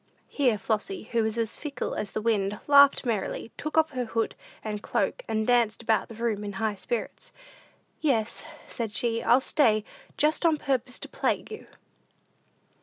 Here Flossy, who was as fickle as the wind, laughed merrily, took off her hood and cloak, and danced about the room in high spirits. "Yes," said she, "I'll stay just on purpose to plague you!"